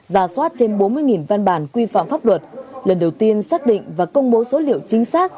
giả soát trên bốn mươi văn bản quy phạm pháp luật lần đầu tiên xác định và công bố số liệu chính xác